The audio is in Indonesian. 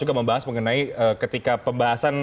juga membahas mengenai ketika pembahasan